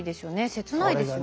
切ないですよね。